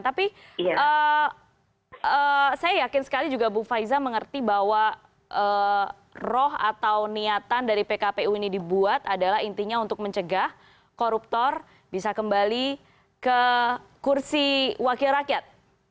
tapi saya yakin sekali juga bu faiza mengerti bahwa roh atau niatan dari pkpu ini dibuat adalah intinya untuk mencegah koruptor bisa kembali ke kursi wakil rakyat